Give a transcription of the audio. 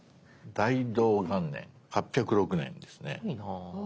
大同元年８０６年ですね。